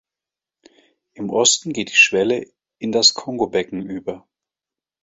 Im Osten geht die Schwelle in das Kongobecken über.